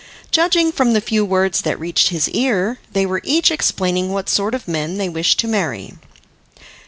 Judging from the few words that reached his ear, they were each explaining what sort of men they wished to marry.